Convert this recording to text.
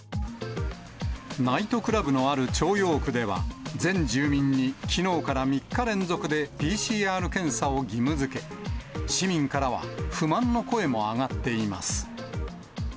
ナイトクラブのある朝陽区では、全住民にきのうから３日連続でＰＣＲ検査を義務づけ、市民からは不満の声も上がっています。